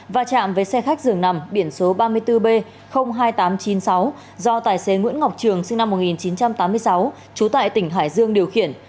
và chạm với xe khách dường nằm biển số ba mươi bốn b hai nghìn tám trăm chín mươi sáu do tài xế nguyễn ngọc trường sinh năm một nghìn chín trăm tám mươi sáu trú tại tỉnh hải dương điều khiển